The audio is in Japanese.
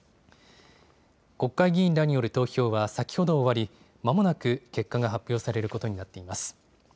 国会議員らによる投票は先ほど終わり、まもなく結果が発表されることになっています。